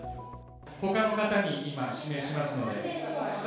ほかの方に今指名しますので。